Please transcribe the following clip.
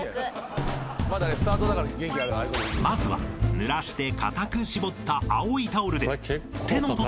［まずはぬらして固く絞った青いタオルで］